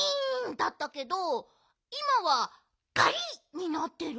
だったけどいまは「ガリ！」になってる。